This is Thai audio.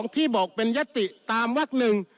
ที่บอกเป็นยติตามวัก๑